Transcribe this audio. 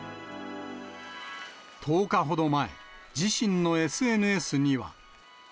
１０日ほど前、自身のＳＮＳには。